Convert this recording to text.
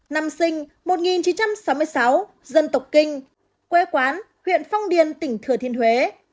năm sinh một nghìn chín trăm sáu mươi sáu dân tộc kinh quê quán huyện phong điền tỉnh thừa thiên huế